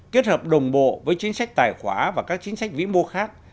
kết hợp đồng bộ với chính sách tài khoá và các chính sách vĩ mô khác